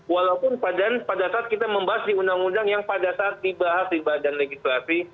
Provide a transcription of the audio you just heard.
walaupun pada saat kita membahas di undang undang yang pada saat dibahas di badan legislasi